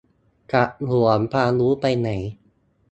จะหวงความรู้ไปไหน ?